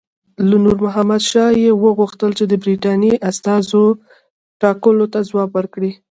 له نور محمد شاه یې وغوښتل چې د برټانیې استازو ټاکلو ته ځواب ورکړي.